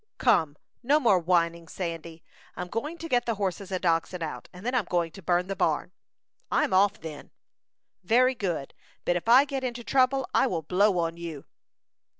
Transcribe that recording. "Come, no more whining, Sandy; I'm going to get the horses and oxen out, and then I'm going to burn the barn." "I'm off, then." "Very good; but if I get into trouble, I will blow on you."